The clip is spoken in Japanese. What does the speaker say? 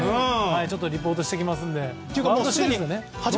ちょっとリポートしてきます。